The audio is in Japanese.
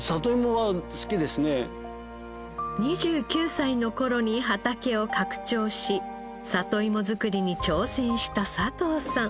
２９歳の頃に畑を拡張し里いも作りに挑戦した佐藤さん。